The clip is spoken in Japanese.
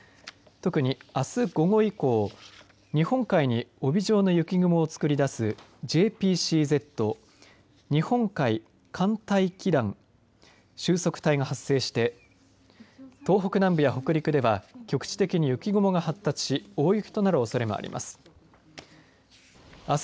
特に、あす午後以降日本海に帯状の雪雲を作り出すＪＰＣＺ日本海寒帯気団収束帯が発生して東北南部や北陸では局地的に雪雲が発達し大雪となる可能性があります。